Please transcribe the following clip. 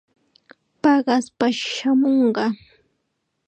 Paqaspash chaamunqa.